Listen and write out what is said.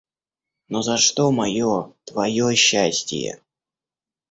Но за что мое, твое счастие?..